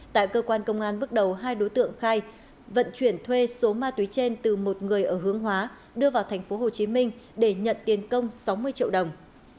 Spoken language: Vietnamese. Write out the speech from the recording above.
tại cơ quan công an bước đầu hai đối tượng khai vận chuyển thuê số ma túy trên từ một người ở hương hóa đưa vào thành phố hồ chí minh để nhận tiền công sáu mươi triệu đồng